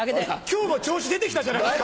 今日も調子出てきたじゃないですか。